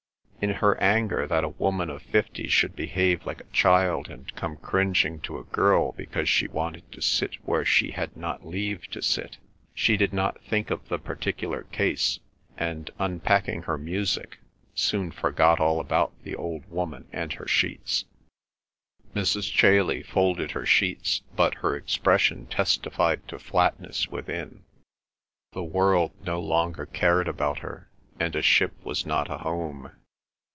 In her anger that a woman of fifty should behave like a child and come cringing to a girl because she wanted to sit where she had not leave to sit, she did not think of the particular case, and, unpacking her music, soon forgot all about the old woman and her sheets. Mrs. Chailey folded her sheets, but her expression testified to flatness within. The world no longer cared about her, and a ship was not a home.